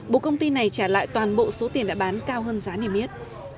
bộ công ty này trả lại toàn bộ số tiền đã bán cao hơn giá niềm yết